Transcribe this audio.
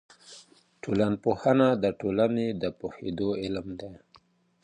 ټولنپوهنه د ټولني د پوهېدو علم دی.